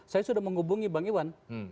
saya sudah menghubungi bang iwan